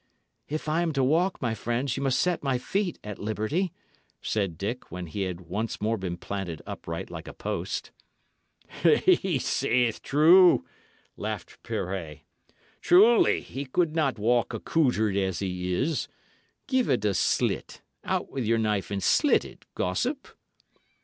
"If I am to walk, my friends, ye must set my feet at liberty," said Dick, when he had been once more planted upright like a post. "He saith true," laughed Pirret. "Truly, he could not walk accoutred as he is. Give it a slit out with your knife and slit it, gossip."